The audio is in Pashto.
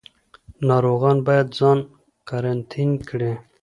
ناروغان باید ځان قرنطین کړي.